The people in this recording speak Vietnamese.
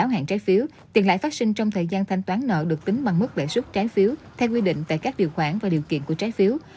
hệ sinh trong thời gian thanh toán nợ được tính bằng mức lệ xuất trái phiếu theo quy định tại các điều khoản và điều kiện của trái phiếu